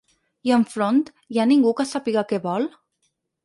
I enfront, hi ha ningú que sàpiga què vol?